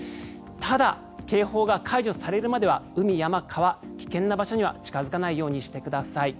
ただ、警報が解除されるまでは海、山、川危険な場所には近付かないようにしてください。